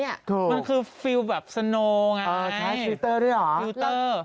มันคือฟิลแบบสโนไงฟิลเตอร์ใช้ชีวิตเตอร์ด้วยหรือ